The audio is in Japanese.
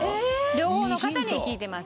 両方の方に聞いてます。